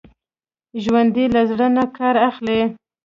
ژوندي له زړه نه کار اخلي